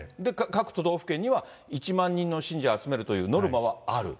各都道府県には１万人の信者を集めるというノルマはある。